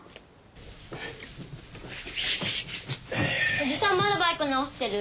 おじさんまだバイク直してる？